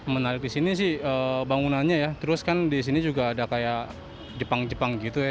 menarik di sini sih bangunannya ya terus kan di sini juga ada kayak jepang jepang gitu ya